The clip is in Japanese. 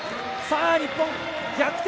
日本、逆転！